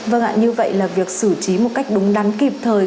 vâng ạ như vậy là việc xử trí một cách đúng đắn kịp thời